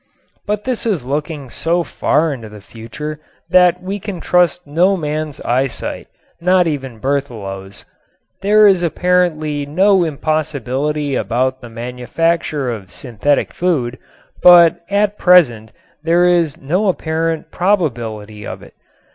But this is looking so far into the future that we can trust no man's eyesight, not even Berthelot's. There is apparently no impossibility about the manufacture of synthetic food, but at present there is no apparent probability of it.